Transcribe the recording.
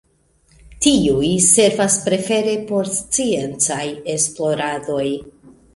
Tiuj servas prefere por sciencaj esploradoj.